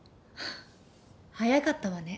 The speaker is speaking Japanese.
早かったわね。